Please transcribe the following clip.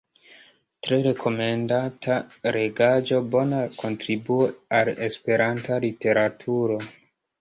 Tre rekomendata legaĵo, bona kontribuo al la Esperanta literaturo.